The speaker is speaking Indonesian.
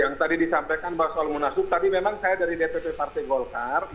yang tadi disampaikan bahwa soal munaslup tadi memang saya dari dpp partai golkar